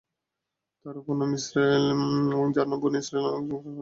তাঁর অপর নাম ইসরাঈল, যার নামে বনী-ইসরাঈল বংশের নামকরণ করা হয়েছে।